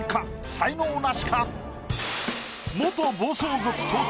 才能ナシか？